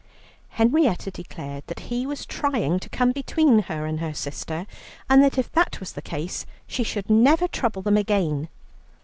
Henrietta declared that he was trying to come between her and her sister, and that if that was the case she should never trouble them again.